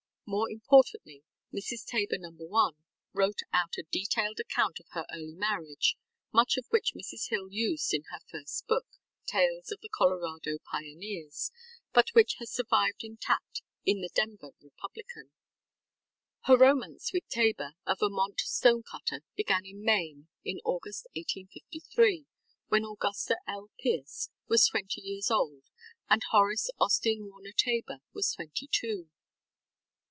ŌĆØ More importantly, Mrs. Tabor No. 1 wrote out a detailed account of her early marriage, much of which Mrs. Hill used in her first book, ŌĆ£Tales of the Colorado Pioneers, ŌĆØ but which has survived intact in the Denver Republican. Her romance with Tabor, a Vermont stone cutter, began in Maine in August, 1853, when Augusta L. Pierce was twenty years old and Horace Austin Warner Tabor was twenty two.